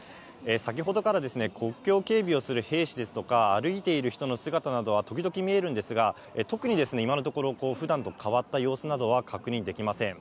先ほどから国境警備をする兵士ですとか、歩いている人の姿などは時々見えるんですが、特に今のところ、ふだんと変わった様子などは確認できません。